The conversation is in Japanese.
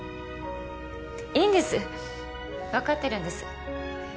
いいんです分かってるんです